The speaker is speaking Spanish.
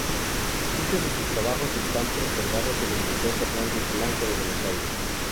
Muchos de sus trabajos están preservados en el Museo Fernández Blanco de Buenos Aires.